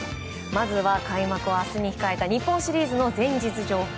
まずは開幕を明日に控えた日本シリーズの前日情報。